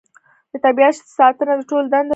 د طبیعت ساتنه د ټولو دنده ده